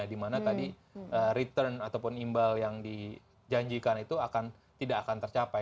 dimana tadi return ataupun imbal yang dijanjikan itu tidak akan tercapai